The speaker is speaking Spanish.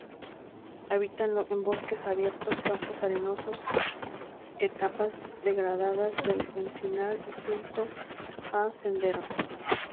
Habita en bosques abiertos, campos arenosos, etapas degradadas del encinar y junto a senderos.